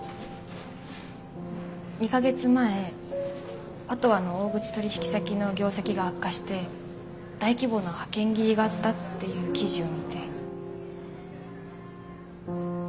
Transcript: ２か月前パトワの大口取り引き先の業績が悪化して大規模な派遣切りがあったっていう記事を見て。